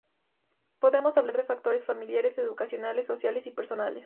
Podemos hablar de factores familiares, educacionales, sociales y personales.